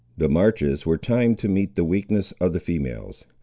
The marches were timed to meet the weakness of the females.